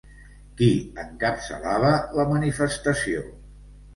Qui encapçalava la manifestació?